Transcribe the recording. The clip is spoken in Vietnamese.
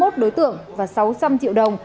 hai mươi một đối tượng và sáu trăm linh triệu đồng